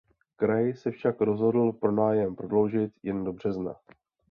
Kraj se však rozhodl pronájem prodloužit jen do března.